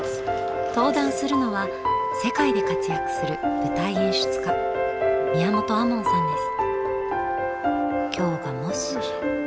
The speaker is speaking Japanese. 登壇するのは世界で活躍する舞台演出家宮本亞門さんです。